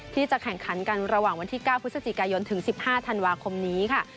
ที่จะแข่งขันกันระหว่างวันที่๙พฤศจิกายนถึง๑๕ธันวาคมนี้ค่ะ